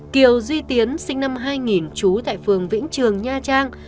kiều duy tiến sinh năm hai nghìn trú tại phường vĩnh trường nha trang